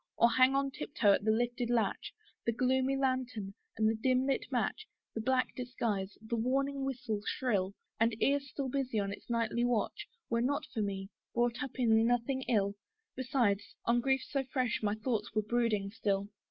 Or hang on tiptoe at the lifted latch; The gloomy lantern, and the dim blue match, The black disguise, the warning whistle shrill, And ear still busy on its nightly watch, Were not for me, brought up in nothing ill; Besides, on griefs so fresh my thoughts were brooding still.